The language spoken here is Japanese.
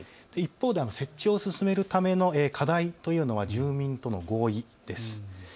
一方で設置を進めるための課題というのは住民との合意です。